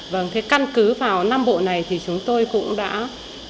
vâng thế căn cứ vào năm bộ này thì chúng tôi đã lựa chọn năm bộ sách giáo khoa